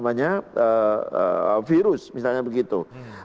maka kita terapkan itu protokol kesehatan yang ketat